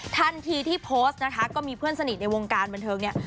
ทันทีที่โพสต์นะคะก็มีเพื่อนสนิทในวงการบันเทิงเนี่ย